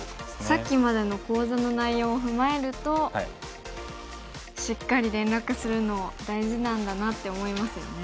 さっきまでの講座の内容を踏まえるとしっかり連絡するの大事なんだなって思いますよね。